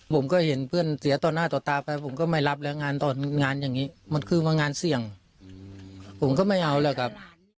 ผมก็เห็นเพื่อนเสียต่อหน้าต่อตาไปผมก็ไม่รับแล้วงานตอนงานอย่างนี้มันคือมางานเสี่ยงผมก็ไม่เอาแล้วครับ